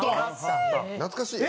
懐かしい！